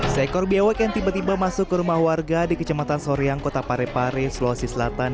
seekor biawak yang tiba tiba masuk ke rumah warga di kecamatan soreang kota parepare sulawesi selatan